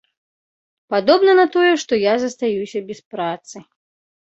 Падобна на тое, што я застаюся без працы.